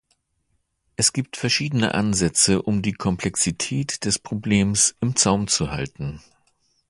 Es gibt verschiedene Ansätze, um die Komplexität des Problems im Zaum zu halten.